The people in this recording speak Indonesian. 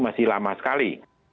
masih lama sekali